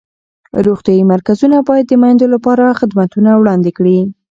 روغتیایي مرکزونه باید د میندو لپاره خدمتونه وړاندې کړي.